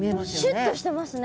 シュッとしてますね。